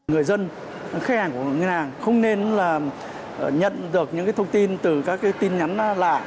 người dân khách hàng của ngân hàng không nên nhận được những thông tin từ các tin nhắn lạ